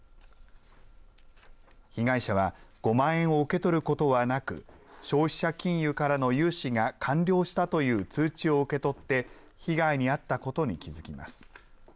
被害者は５万円を受け取ることはなく消費者金融からの融資が完了したという通知を受け取って被害に遭ったことに気付きます。